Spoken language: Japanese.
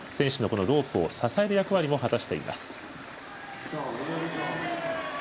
選手のロープを支える役割を果たしています。